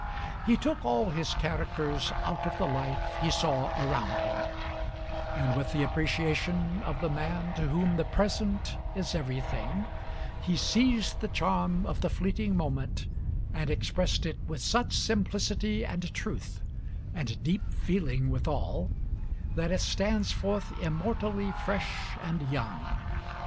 He took all his characters out of the life he saw around him; and with the appreciation of the man to whom the present is everything, he seized the charm of the fleeting moment and expressed it with such simplicity and truth, and deep feeling withal, that it stands forth immortally fresh and young.